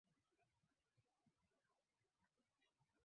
Wanatoa majimaji puani mdomoni na machoni kwa wakati mmoja